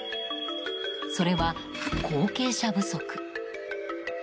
それは後継者不足。